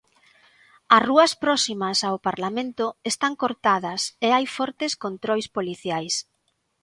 As rúas próximas ao parlamento están cortadas e hai fortes controis policiais.